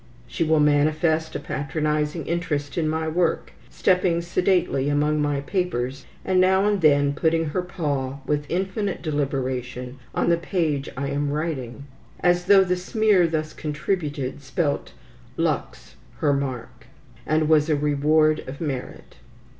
She will manifest a patronizing interest in my work, stepping sedately among my papers, and now and then putting her paw with infinite deliberation on the page I am writing, as though the smear thus contributed spelt, "Lux, her mark," and was a reward of merit.